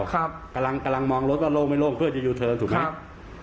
ข้ากำลังมองรถก็โล่งไม่โล่งเพื่อจะอยู่เทิร์นถูกไหม